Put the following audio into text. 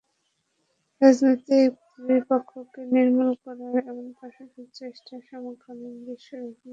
রাজনৈতিক প্রতিপক্ষকে নির্মূল করার এমন পাশবিক চেষ্টা সমকালীন বিশ্ব রাজনীতিতে বিরল।